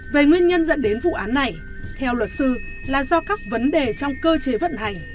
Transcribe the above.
về nguyên nhân dẫn đến vụ án này theo luật sư là do các vấn đề trong cơ chế vận hành